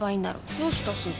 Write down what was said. どうしたすず？